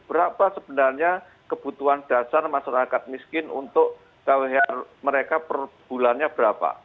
berapa sebenarnya kebutuhan dasar masyarakat miskin untuk kwh mereka perbulannya berapa